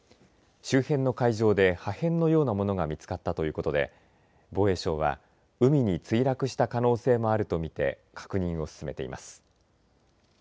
周辺の海上で破片のようなものが見付かったということで防衛省は海に墜落した可能性もあるとみて確認を進めています。